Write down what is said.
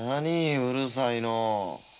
うるさいのう。